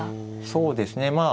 そうですねまあ